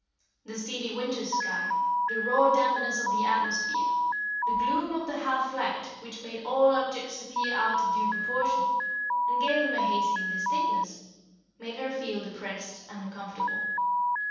The steely winter's sky, the raw dampness of the atmosphere, the gloom of the half light, which made all objects appear out of due proportion, and gave them a hazy indistinctness, made her feel depressed and uncomfortable.